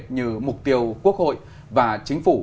như mục tiêu quốc hội và chính phủ